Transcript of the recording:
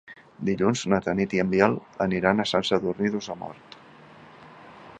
Dilluns na Tanit i en Biel aniran a Sant Sadurní d'Osormort.